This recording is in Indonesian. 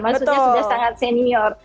maksudnya sudah sangat senior